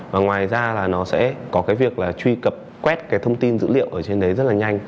và ngoài ra là nó sẽ có cái việc là truy cập quét cái thông tin dữ liệu ở trên đấy rất là nhanh